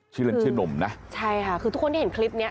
ชื่อเล่นชื่อหนุ่มนะใช่ค่ะคือทุกคนที่เห็นคลิปเนี้ย